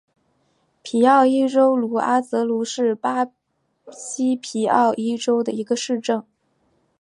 皮奥伊州茹阿泽鲁是巴西皮奥伊州的一个市镇。